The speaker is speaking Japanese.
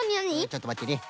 ちょっとまってね。